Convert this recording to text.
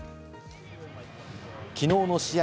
きのうの試合